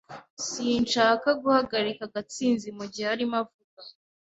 Sinshaka guhagarika Gatsinzi mugihe arimo avuga.